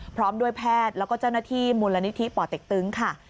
พร้อมด้วยแพทย์แล้วก็เจ้าหน้าที่มูลนิธิป่อเต็กตึงค่ะ